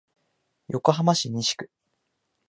横浜市西区